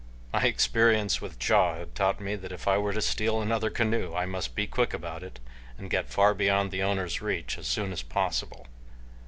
My experience with Ja had taught me that if I were to steal another canoe I must be quick about it and get far beyond the owner's reach as soon as possible.